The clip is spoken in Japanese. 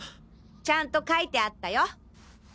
ちゃんと書いてあったよ。